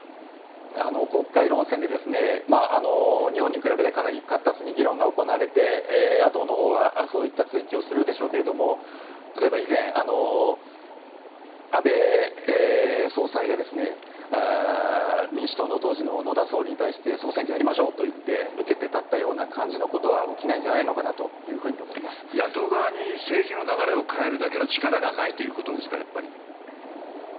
国会論戦で、日本に比べてかなり活発に議論が行われて野党のほうはそういった追及をするでしょうけども例えば以前、安倍総裁が民主党の当時の野田総理に対して総選挙やりましょうと言って受けて立ったような感じのことは野党側に政治の流れを変えるだけの力がないということですかやっぱり。